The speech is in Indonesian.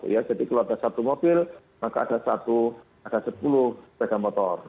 ya jadi kalau ada satu mobil maka ada satu ada sepuluh sepeda motor